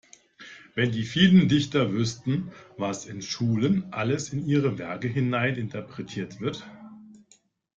Wenn die vielen Dichter wüssten, was in Schulen alles in ihre Werke hineininterpretiert wird!